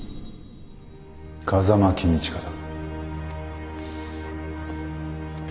風間公親だ